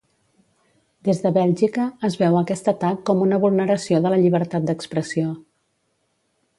Des de Bèlgica, es veu aquest atac com una vulneració de la llibertat d'expressió.